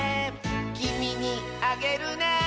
「きみにあげるね」